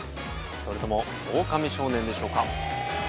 それともオオカミ少年でしょうか？